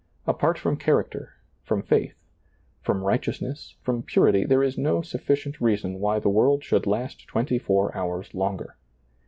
Apart from character, from faith, from righteousness, from purity, there is no sufficient reason why the world should last twenty four hours longer.